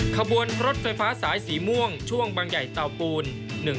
ขบวนรถไฟฟ้าสายสีม่วงช่วงบางใหญ่เตาปูน